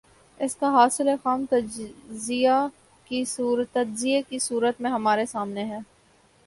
اس کا حاصل خام تجزیے کی صورت میں ہمارے سامنے ہے۔